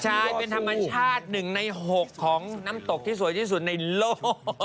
ใช่เป็นธรรมชาติ๑ใน๖ของน้ำตกที่สวยที่สุดในโลก